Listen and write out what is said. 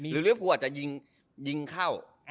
หรือริวฟูอาจจะยิงเข้า